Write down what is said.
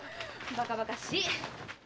ばかばかしいっ！